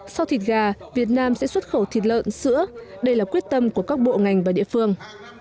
sau thịt gà việt nam sẽ xuất khẩu thịt lợn sữa đây là quyết tâm của các bộ ngành và địa phương